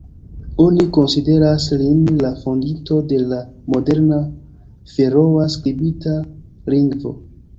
Oni konsideras lin la fondinto de la moderna feroa skribita lingvo.